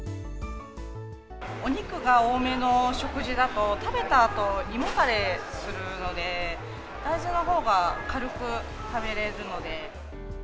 お肉が多めの食事だと、食べたあと、胃もたれするので、大豆のほうが軽く食べれるので。